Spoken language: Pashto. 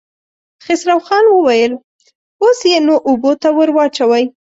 خسرو خان وويل: اوس يې نو اوبو ته ور واچوئ.